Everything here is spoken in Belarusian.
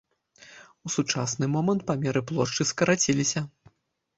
У сучасны момант памеры плошчы скарацілася.